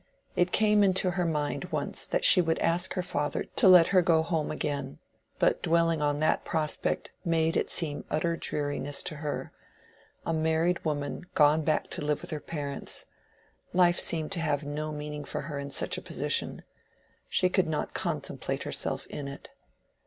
It came into her mind once that she would ask her father to let her go home again; but dwelling on that prospect made it seem utter dreariness to her: a married woman gone back to live with her parents—life seemed to have no meaning for her in such a position: she could not contemplate herself in it.